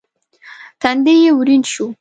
تندی يې ورين شو.